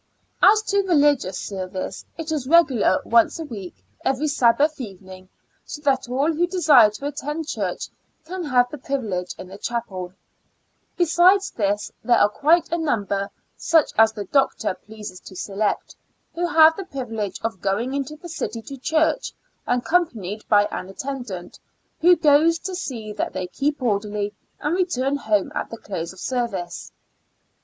As to religious service, it is regular once a week, every Sabbath evening, so that all who desire to attend church can have the privilege in the chapel. Besides this, there are quite a number, such as the doctor pleases to select, who have the privilege of going into the city to church, accompanied by an attendant, who goes to see that they keep orderly and return home at the close of service.